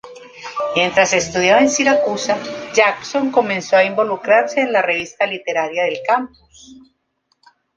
Mientras estudiaba en Siracusa, Jackson comenzó a involucrarse en la revista literaria del campus.